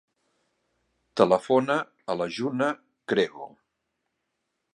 Telefona a la Juna Crego.